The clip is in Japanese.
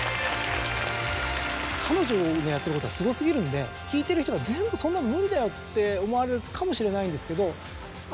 彼女のやってることはすご過ぎるんで聞いてる人が「全部そんなの無理だよ」って思われるかもしれないんですけど。